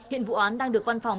hiện vụ án đang được văn phòng